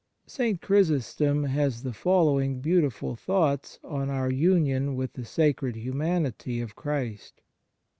St. Chrysostom has the following beauti ful thoughts on our union with the sacred humanity of Christ.